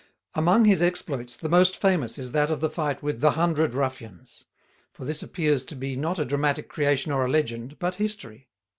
Among his exploits the most famous is that of the fight with the hundred ruffians; for this appears to be not a dramatic creation or a legend, but history.